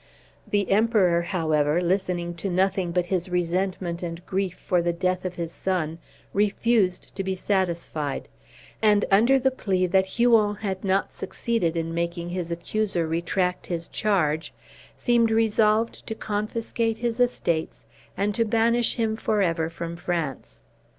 The Emperor, however, listening to nothing but his resentment and grief for the death of his son, refused to be satisfied; and under the plea that Huon had not succeeded in making his accuser retract his charge seemed resolved to confiscate his estates and to banish him forever from France.